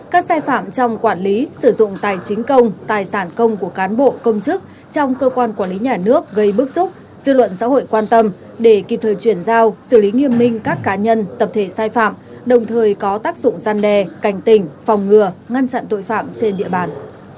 các sai phạm trong quản lý sử dụng tài chính công tài sản công của cán bộ công chức trong cơ quan quản lý nhà nước gây bức xúc dư luận xã hội quan tâm để kịp thời chuyển giao xử lý nghiêm minh các cá nhân tập thể sai phạm đồng thời có tác dụng gian đe cảnh tỉnh phòng ngừa ngăn chặn tội phạm trên địa bàn